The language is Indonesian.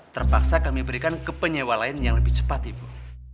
terpaksa kami berikan ke penyewa lain yang lebih cepat ibu